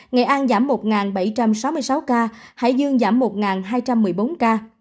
nghệ an giảm một bảy trăm sáu mươi sáu ca hải dương giảm một hai trăm một mươi bốn ca